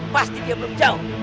pasti dia belum jauh